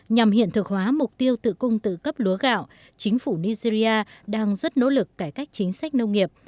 nhằm hiện thực hóa mục tiêu tự cung tự cấp lúa gạo chính phủ nigeria đang rất nỗ lực cải cách chính sách nông nghiệp